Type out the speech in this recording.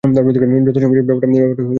যত সময় যাবে ব্যাপারটা ততই খারাপ হয়ে উঠবে।